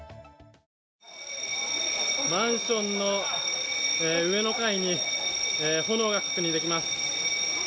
マンションの上の階に炎が確認できます。